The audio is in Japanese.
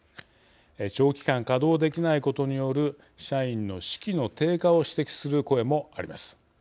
長期間、稼働できないことによる社員の士気の低下を指摘する声もあります。